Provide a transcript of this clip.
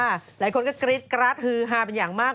หลายคนก็กรี๊ดกราดฮือฮาเป็นอย่างมาก